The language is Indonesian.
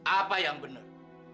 apa yang benar